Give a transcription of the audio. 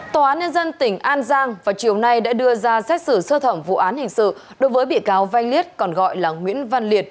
tòa án nhân dân tỉnh an giang vào chiều nay đã đưa ra xét xử sơ thẩm vụ án hình sự đối với bị cáo vanh liên còn gọi là nguyễn văn liệt